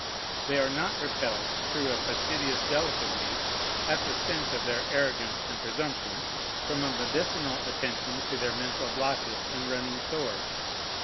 They are not repelled, through a fastidious delicacy, at the stench of their arrogance and presumption, from a medicinal attention to their mental blotches and running sores.